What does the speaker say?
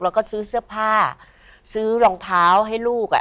แล้วก็ซื้อเสื้อผ้าซื้อรองเท้าให้ลูกอ่ะ